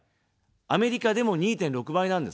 アメリカでも２．６倍なんです。